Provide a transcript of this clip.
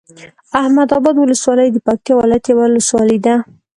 احمداباد ولسوالۍ د پکتيا ولايت یوه ولسوالی ده